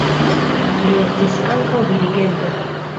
Li estis ankaŭ dirigento.